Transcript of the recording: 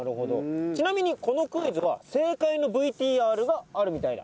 ちなみにこのクイズは正解のＶＴＲがあるみたいだ。